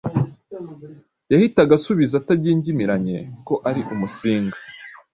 yahitaga asubiza atagingimiranye ko ari Umusinga